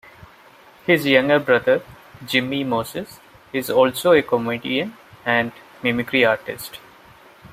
His younger brother, Jimmy Moses, is also a comedian and mimicry artist.